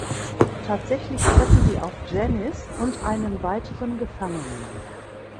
Tatsächlich treffen sie auf Janice und einen weiteren Gefangenen.